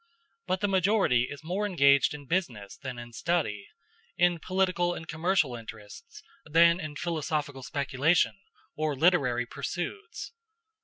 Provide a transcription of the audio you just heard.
But the majority is more engaged in business than in study in political and commercial interests than in philosophical speculation or literary pursuits.